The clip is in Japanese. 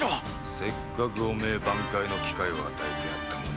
せっかく汚名挽回の機会を与えてやったものを。